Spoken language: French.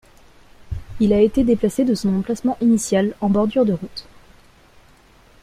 Il a été déplacé de son emplacement initial en bordure de route.